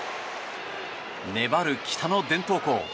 粘る北の伝統校。